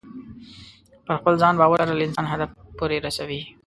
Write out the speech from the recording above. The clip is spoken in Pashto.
پر خپل ځان باور لرل انسان تر هدف پورې رسوي.